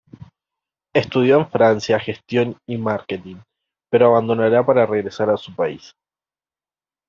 Estudió en Francia gestión y marketing pero los abandonará para regresar a su país.